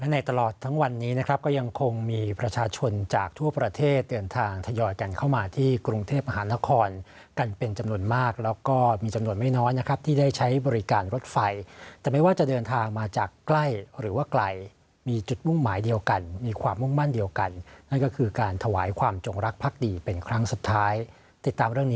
ในตลอดทั้งวันนี้นะครับก็ยังคงมีประชาชนจากทั่วประเทศเดินทางทยอยกันเข้ามาที่กรุงเทพมหานครกันเป็นจำนวนมากแล้วก็มีจำนวนไม่น้อยนะครับที่ได้ใช้บริการรถไฟแต่ไม่ว่าจะเดินทางมาจากใกล้หรือว่าไกลมีจุดมุ่งหมายเดียวกันมีความมุ่งมั่นเดียวกันนั่นก็คือการถวายความจงรักภักดีเป็นครั้งสุดท้ายติดตามเรื่องนี้